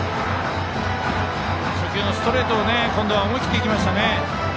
ストレートを今度は思い切って行きましたね。